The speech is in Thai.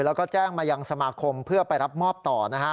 แล้วก็แจ้งมายังสมาคมเพื่อไปรับมอบต่อนะฮะ